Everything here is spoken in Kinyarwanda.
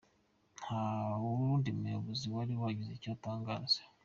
Nta n’undi muyobozi wari wagize icyo atangaza.